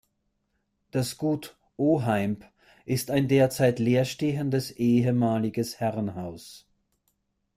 Das Gut Oheimb ist ein derzeit leerstehendes ehemaliges Herrenhaus.